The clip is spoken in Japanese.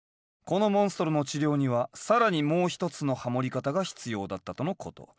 このモンストロの治療には更にもう一つのハモり方が必要だったとのこと。